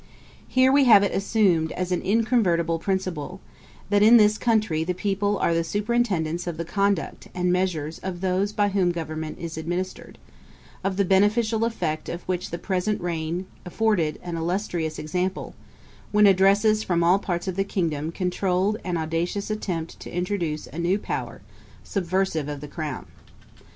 ] Here we have it assumed as an incontrovertible principle, that in this country the people are the superintendants of the conduct and measures of those by whom government is administered; of the beneficial effect of which the present reign afforded an illustrious example, when addresses from all parts of the kingdom controuled an audacious attempt to introduce a new power subversive of the crown.